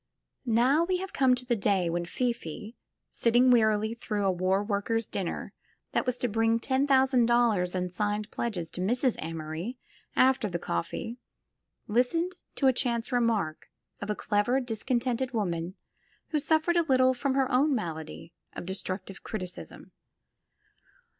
Now we have come to the day when Fifi, sitting wearily through a war workers' dinner that was to bring ten thousand dollars in signed pledges to Mrs. Amory after the coflfee, listened to a chance remark of a clever, discon tented woman who suffered a little from her own malady of destructive criticism.